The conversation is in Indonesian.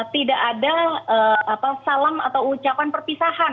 tidak ada salam atau ucapan perpisahan